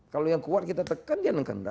kalau yang kuat kita tekan dia mengembangkan